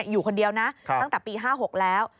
อยู่คนเดียวนะตั้งแต่ปี๕๖แล้ว